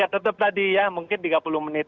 ya tetap tadi ya mungkin tiga puluh menit